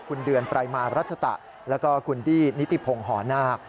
คุณเดือนปรายมารัชตะแล้วก็คุณดี้นิติพงศ์หอนาค